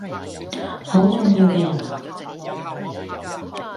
好重要嘅人呀？